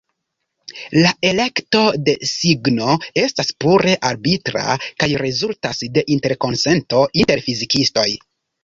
La elekto de signo estas pure arbitra kaj rezultas de interkonsento inter fizikistoj.